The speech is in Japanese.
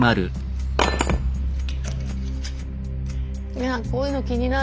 いやこういうの気になる。